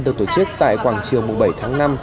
được tổ chức tại quảng trường bảy tháng năm